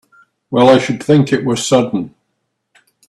Well I should think it was sudden!